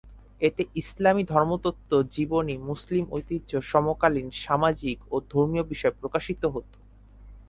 এতে ইসলামি ধর্মতত্ত্ব, জীবনী, মুসলিম ঐতিহ্য, সমকালীন সামাজিক ও ধর্মীয় বিষয় প্রকাশিত হত।